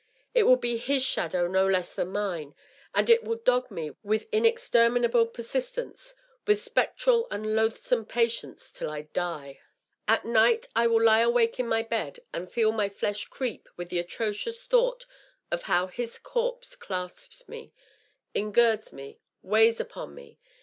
It will be his shadow no less than mine, and it will dog me with inexterminable persistence, with spectral and loath some patience, till I die I At night I will lie awake in my bed and feel my flesh creep with the atrocious thought of how his corpse clasps me, engirds me, weighs upon me.